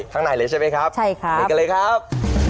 ข้างในเลยใช่ไหมครับเห็นกันเลยครับใช่ครับ